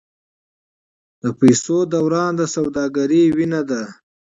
د پیسو دوران د سوداګرۍ وینه ده.